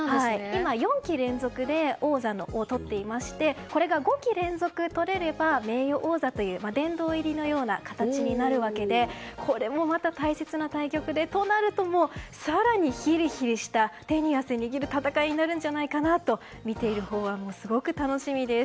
今、４期連続で王座をとっていましてこれが５期連続取れれば名誉王座という殿堂入りのような形になるわけでこれもまた、大切な対局でとなると更にヒリヒリした手に汗握る戦いになるんじゃないかと見ているほうはすごく楽しみです。